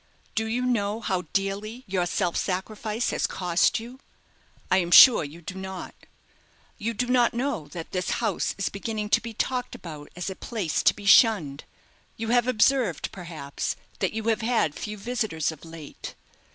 Do you know how dearly your self sacrifice has cost you? I am sure you do not. You do not know that this house is beginning to be talked about as a place to be shunned. You have observed, perhaps, that you have had few visitors of late.